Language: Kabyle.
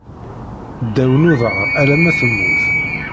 Ddaw n uḍar alamma temmut.